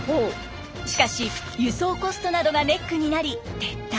しかし輸送コストなどがネックになり撤退。